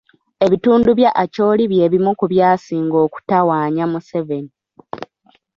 Ebitundu bya Acholi bye bimu ku byasinga okutawaanya Museveni.